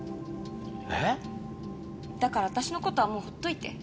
えっ⁉だから私のことはもうほっといて。